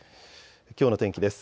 きょうの天気です。